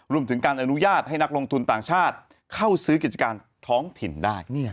รวมถึงการอนุญาตให้นักลงทุนต่างชาติเข้าซื้อกิจการท้องถิ่นได้